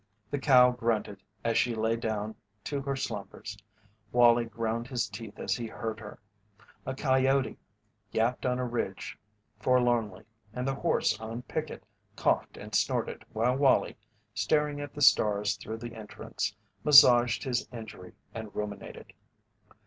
The cow grunted as she lay down to her slumbers Wallie ground his teeth as he heard her. A coyote yapped on a ridge forlornly and the horse on picket coughed and snorted while Wallie, staring at the stars through the entrance, massaged his injury and ruminated.